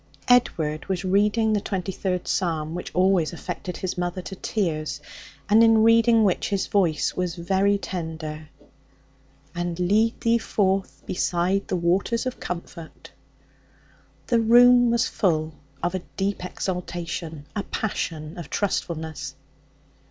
Edward was reading the twenty third Psalm, which always affected his mother to tears, and in reading which his voice was very tender, '... And lead thee forth beside the waters of comfort.' The room was full of a deep exaltation, a passion of trustfulness.